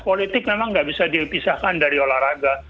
politik memang nggak bisa dipisahkan dari olahraga